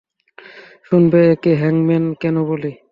শুনবে ওকে হ্যাংম্যান কেন বলি?